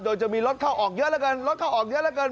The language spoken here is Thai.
โดยจะมีรถเข้าออกเยอะแล้วกันรถเข้าออกเยอะแล้วกัน